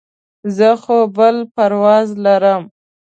زه خو بل پرواز لرم.